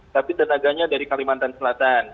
tapi tenaganya dari kalimantan selatan